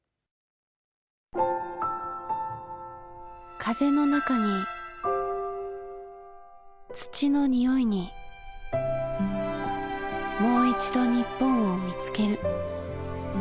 風の中に土の匂いにもういちど日本を見つける。